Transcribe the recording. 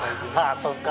あそっか。